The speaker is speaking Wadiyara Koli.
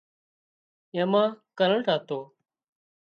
اين مان ڪرنٽ هتو